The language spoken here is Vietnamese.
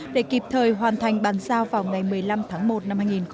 để kịp thời hoàn thành bàn sao vào ngày một mươi năm tháng một năm hai nghìn một mươi tám